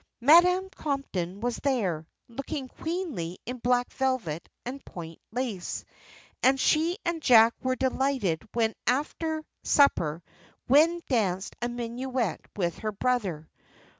Madam Compton was there, looking queenly in black velvet and point lace, and she and Jack were delighted when after supper Gwen danced a minuet with her brother.